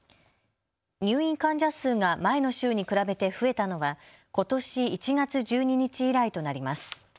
入院患者数が前の週に比べて増えたのはことし１月１２日以来となります。